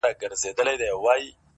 په رباب کي بم او زیر را سره خاندي,